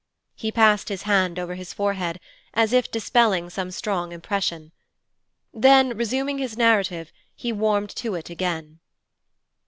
He passed his hand over his forehead, as if dispelling some strong impression. Then, resuming his narrative, he warmed to it again.